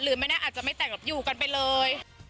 หรือไม่ได้อาจจะไม่แต่งอยู่กันไปเลย